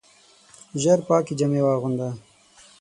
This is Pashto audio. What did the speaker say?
ژر پاکي جامې واغونده !